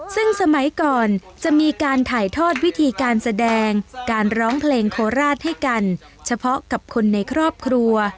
ซึ่งสมัยก่อนจะมีการถ่ายทอดวิธีการแสดงการร้องเพลงโคราชให้กันเฉพาะกับคนในครอบครัว